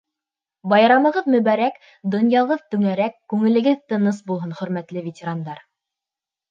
Байрамығыҙ мөбәрәк, донъяғыҙ түңәрәк, күңелегеҙ тыныс булһын, хөрмәтле ветерандар!